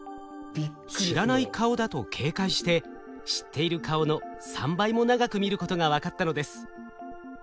知らない顔だと警戒して知っている顔の３倍も長く見ることが分かったのです。